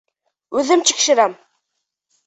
Үҙем тикшерәм!